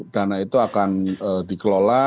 dana itu akan dikelola